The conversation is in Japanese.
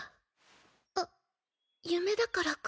あっ夢だからか。